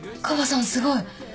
カバさんすごい。